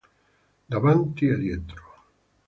Davanti e dietro".